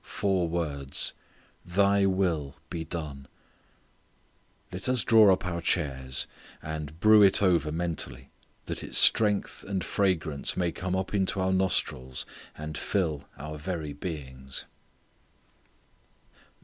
Four words "Thy will be done." Let us draw up our chairs, and brew it over mentally, that its strength and fragrance may come up into our nostrils, and fill our very beings.